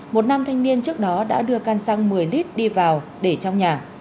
một năm thanh niên trước đó đã đưa can xăng một mươi lít đi vào để trong nhà